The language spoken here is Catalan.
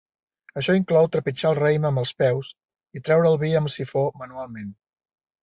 Això inclou trepitjar el raïm amb els peus i treure el vi amb sifó manualment.